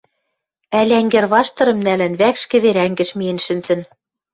Ӓль, ӓнгӹрваштырым нӓлӹн, вӓкш кӹвер ӓнгӹш миэн шӹнзӹн